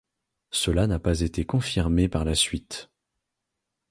Cela n'a pas été confirmé par la suite.